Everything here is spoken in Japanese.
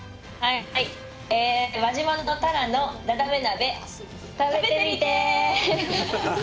輪島のタラのダダメ鍋食べてみて！